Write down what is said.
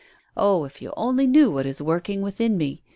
Oh, if you only knew what is working within me!